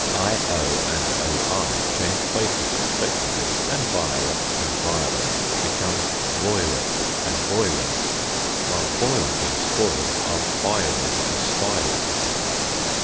io and oi change places respectively; and violet and violent become voilet and voilent, while boiled and spoiled are bioled and spioled.